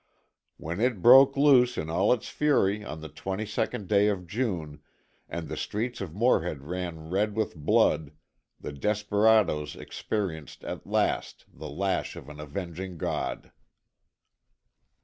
When it broke loose in all its fury on the 22nd day of June, and the streets of Morehead ran red with blood, the desperadoes experienced at last the lash of an avenging God.